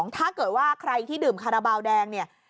ถ้าเกิดว่าใครที่ดื่มคาราบาลแดงเนี่ย